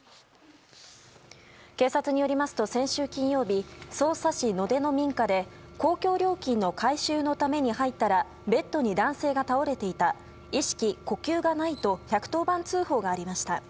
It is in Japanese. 警察によりますと先週金曜日、匝瑳市野手の民家で公共料金の回収のために入ったらベッドに男性が倒れていた意識・呼吸がないと１１０番通報がありました。